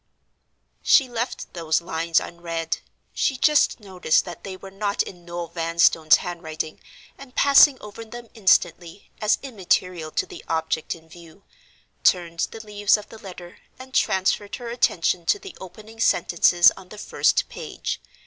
She left those lines unread. She just noticed that they were not in Noel Vanstone's handwriting; and, passing over them instantly, as immaterial to the object in view, turned the leaves of the letter, and transferred her attention to the opening sentences on the first page.